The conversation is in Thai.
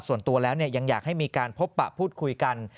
ส่วนตัวแล้วยังอยากให้มีการพบปะพูดคุยกัน